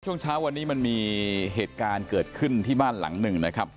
ช่วงเช้าวันนี้มันมีเหตุการณ์เกิดขึ้นที่บ้านหลังหนึ่งนะครับ